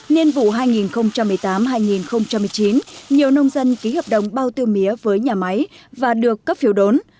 nhiên vụ hai nghìn một mươi tám hai nghìn một mươi chín nhiều nông dân ký hợp đồng bao tiêu mía với nhà máy và được cấp phiếu đốn